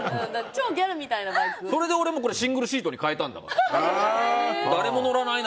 それで俺はシングルシートに変えたんだから。